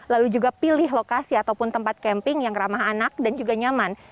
lalu juga pilih lokasi ataupun tempat camping yang ramah anak dan juga nyaman